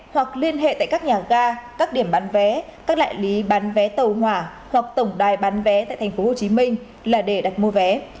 hoặc liên hệ tại các nhà ga các điểm bán vé các đại lý bán vé tàu hỏa hoặc tổng đài bán vé tại tp hcm là để đặt mua vé